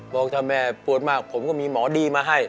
บอกถ้าแม่ปวดมากผมก็มีหมอดีมาให้